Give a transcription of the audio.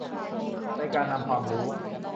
ในการนำความรู้